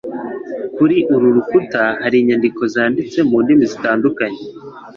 Kuri uru rukuta hari inyandiko zanditse mu ndimi zitandukanye,